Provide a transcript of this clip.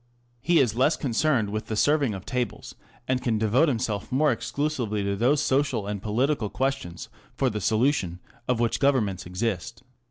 He is less concerned with the serving of tables, and can devote himself more exclusively to those social and political questions for the solution of which Governments exist.